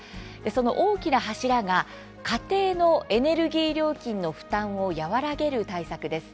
その大きな柱が家庭のエネルギー料金の負担を和らげる対策です。